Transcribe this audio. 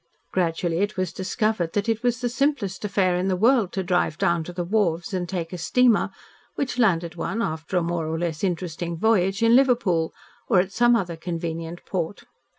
Gradually it was discovered that it was the simplest affair in the world to drive down to the wharves and take a steamer which landed one, after a more or less interesting voyage, in Liverpool, or at some other convenient port.